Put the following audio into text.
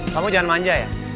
kamu jangan manja ya